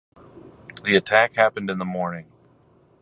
The attack happened in the morning.